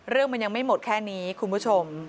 เรื่องมันยังไม่หมดแค่นี้คุณผู้ชม